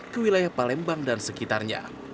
ke wilayah palembang dan sekitarnya